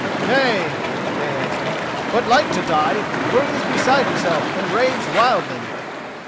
"Nay," they answered, "but like to die, for he is beside himself and raves wildly."